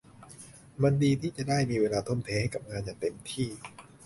มันดีที่จะได้มีเวลาทุ่มเทให้กับงานอย่างเต็มที่